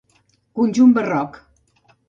Conjunt barroc.